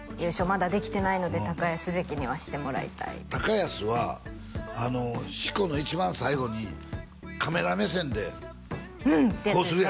まだできてないので高安関にはしてもらいたい高安はしこの一番最後にカメラ目線でふん！ってやつですか？